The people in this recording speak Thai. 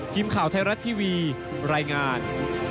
ทีมข่าวไทยรัฐทีวีรายงาน